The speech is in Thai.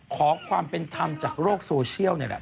ขอความเป็นธรรมจากโลกโซเชียลนี่แหละ